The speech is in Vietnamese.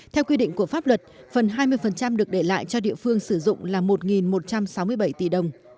theo quy định của pháp luật phần hai mươi được để lại cho địa phương sử dụng là một một trăm sáu mươi bảy tỷ đồng